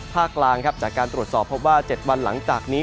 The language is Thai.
กลางครับจากการตรวจสอบพบว่า๗วันหลังจากนี้